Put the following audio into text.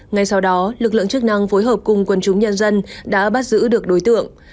ngay sau đó lực lượng chức năng phối hợp cùng quần chúng nhân dân đã bắt giữ được đối tượng